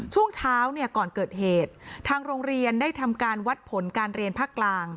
ช่วงเช้าเนี่ยก่อนเกิดเหตุทางโรงเรียนได้ทำการวัดผลการเรียนภาคกลาง